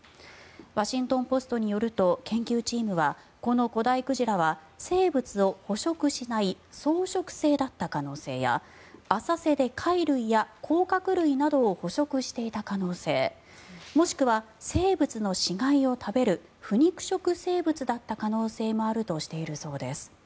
ワシントン・ポストによりますと研究チームはこの古代鯨は生物を捕食しない草食性だった可能性や浅瀬で貝類や甲殻類などを捕食していた可能性もしくは生物の死骸を食べる腐肉食生物だった可能性もあるとしているそうです。